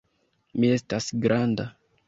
Mi estas granda.